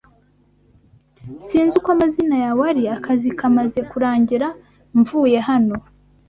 Sinzi uko amazina yawe ari. Akazi kamaze kurangira, mvuye hano.